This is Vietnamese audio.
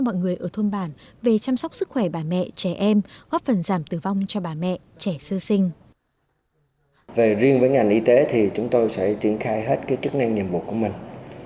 mọi người ở thôn bản về chăm sóc sức khỏe bà mẹ trẻ em góp phần giảm tử vong cho bà mẹ trẻ sơ sinh